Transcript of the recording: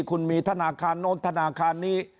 คุณมีธนาคารโน้นธนาคารนี้